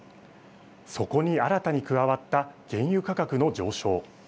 そこに新たに加わった原油価格の上昇。